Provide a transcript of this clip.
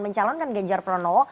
mencalonkan ganjar prono